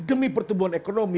demi pertumbuhan ekonomi